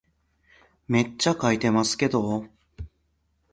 めっちゃ書いてますけど